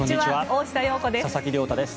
大下容子です。